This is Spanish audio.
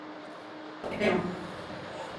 El sueño.